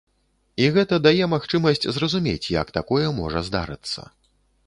І гэта дае магчымасць зразумець, як такое можа здарыцца.